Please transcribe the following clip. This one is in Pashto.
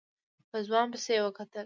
په ځوان پسې يې وکتل.